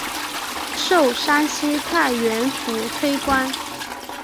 授山西太原府推官。